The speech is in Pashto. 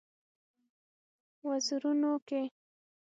وزرونو کې